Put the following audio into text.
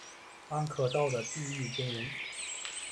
安可道的地域经营。